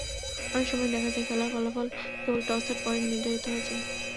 অনেক সময়ই দেখা যায় খেলার ফলাফল কেবল টসের পরই নির্ধারিত হয়ে যায়।